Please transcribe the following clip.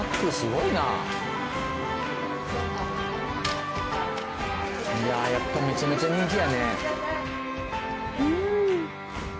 いややっぱめちゃめちゃ人気やね。